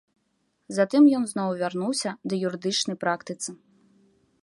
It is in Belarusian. Затым ён зноў вярнуўся да юрыдычнай практыцы.